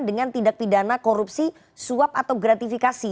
dengan tindak pidana korupsi suap atau gratifikasi